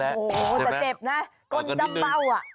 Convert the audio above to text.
โอ้โหแต่เจ็บนะก้นจำเบ้าอ่ะ